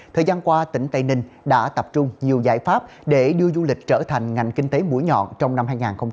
thời gian qua tỉnh tây ninh đã tập trung nhiều giải pháp để đưa du lịch trở thành ngành kinh tế mũi nhọn trong năm hai nghìn hai mươi